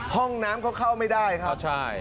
ห้องน้ำเขาเข้าไม่ได้ครับใช่